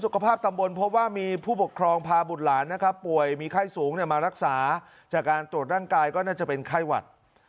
ก็เป็นทุกชั้นของโรงเรียนบ้านบุคคลนะครับ